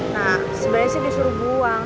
nah sebenarnya sih disuruh buang